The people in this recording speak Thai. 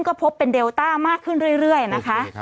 ก็พบเป็นเดลต้ามากขึ้นเรื่อยนะคะ